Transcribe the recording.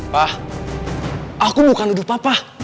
pak aku bukan ibu papa